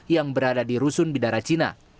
yang berada di rusun bidara cina